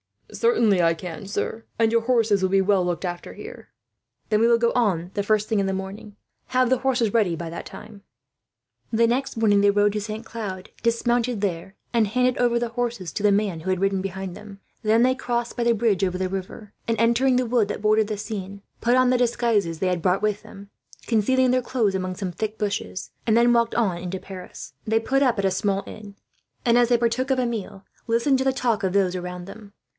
"Certainly I can, sir, and your horses shall be well looked after, here." "Then we will go on, the first thing in the morning. Have the horses ready by that time." The next morning they rode to Saint Cloud, dismounted there, and handed over the horses to the man who had ridden behind them. Then they crossed by the bridge over the river and, entering the wood that bordered the Seine, put on the disguises they had brought with them concealing their clothes among some thick bushes and then walked on into Paris. They put up at a small inn and, as they partook of a meal, listened to the talk of those around them.